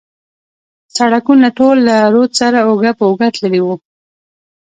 سړکونه ټول له رود سره اوږه پر اوږه تللي و.